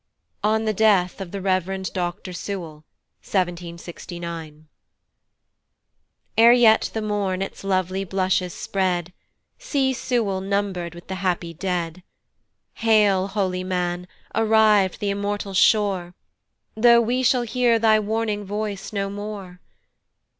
On the Death of the Rev. Dr. SEWELL, 1769. ERE yet the morn its lovely blushes spread, See Sewell number'd with the happy dead. Hail, holy man, arriv'd th' immortal shore, Though we shall hear thy warning voice no more.